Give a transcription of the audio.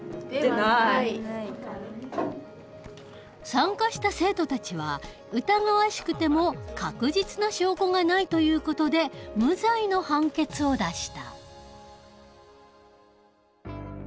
参加した生徒たちは疑わしくても確実な証拠がないという事で無罪の判決を出した。